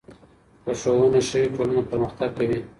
که ښوونه ښه وي، ټولنه پرمختګ کوي.